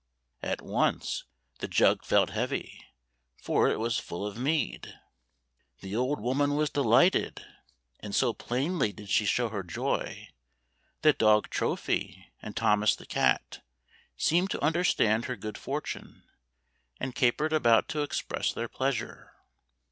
At once the jug felt heavy — for it was full of meadi The old woman was delighted, and so plainly did she show her joy, that dog Trophy, and Thomas the cat seemed to imderstand her good fortune, and capered about to express their pleasure.